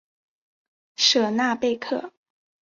舍纳贝克。